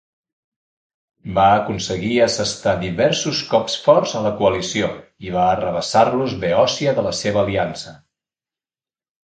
Va aconseguir assestar diversos cops forts a la coalició i va arrabassar-los Beòcia de la seva aliança.